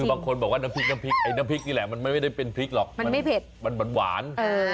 บางคนบอกว่าน้ำพริกไอ้น้ำพริกนี่แหละมันไม่ได้เป็นพริกหรอกมันหวาน